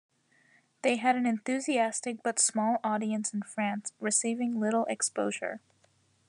They had an enthusiastic but small audience in France, receiving little exposure.